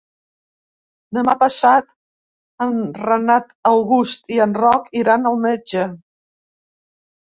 Demà passat en Renat August i en Roc iran al metge.